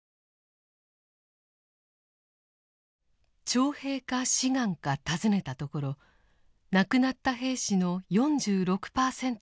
徴兵か志願か尋ねたところ亡くなった兵士の４６％が「志願」でした。